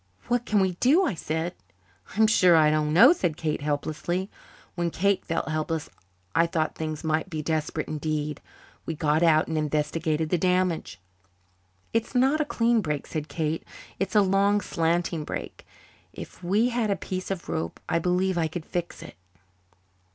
"What can we do?" I said. "I'm sure I don't know," said Kate helplessly. When Kate felt helpless I thought things must be desperate indeed. We got out and investigated the damage. "It's not a clean break," said Kate. "It's a long, slanting break. If we had a piece of rope I believe I could fix it."